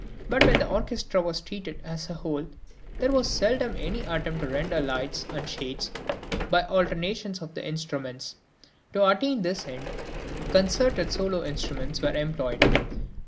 But when the orchestra was treated as a whole there was seldom any attempt to render lights and shades by alternations of the instruments; to attain this end, concerted solo instruments were employed.